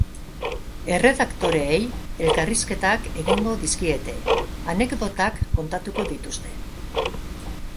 Erredaktoreei elkarrizketak egingo dizkiete, anekdotak kontatuko dituzte.